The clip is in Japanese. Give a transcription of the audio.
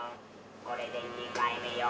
これで２回目よ。